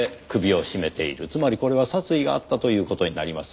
つまりこれは殺意があったという事になります。